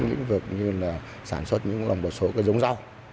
kỹ thuật như là sản xuất những lòng bột sối cái giống rau